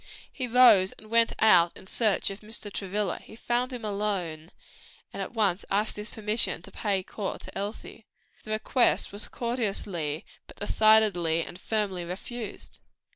He rose and went out in search of Mr. Travilla, found him alone, and at once asked his permission to pay his addresses to Elsie. The request was courteously, but decidedly and firmly refused.